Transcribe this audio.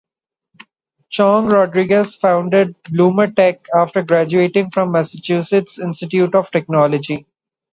Chong Rodriguez founded Bloomer Tech after graduating from Massachusetts Institute of Technology.